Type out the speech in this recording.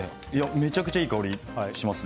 めちゃくちゃいい香りがします。